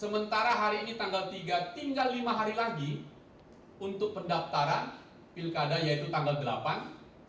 sementara hari ini tanggal tiga tinggal lima hari lagi untuk pendaftaran pilkada yaitu tanggal delapan